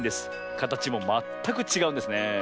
かたちもまったくちがうんですね。